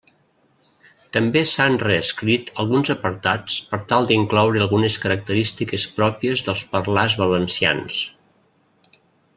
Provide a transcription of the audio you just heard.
També s'han reescrit alguns apartats per tal d'incloure algunes característiques pròpies dels parlars valencians.